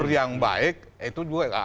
yang baik itu juga